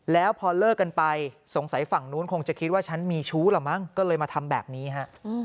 แล้วพอเลิกกันไปสงสัยฝั่งนู้นคงจะคิดว่าฉันมีชู้เหรอมั้งก็เลยมาทำแบบนี้ฮะ